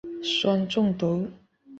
酸中毒。